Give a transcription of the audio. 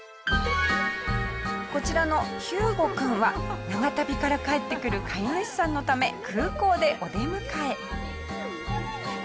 こちらのヒューゴ君は長旅から帰ってくる飼い主さんのため空港でお出迎え。